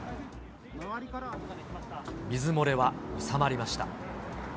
水漏れは収まりました。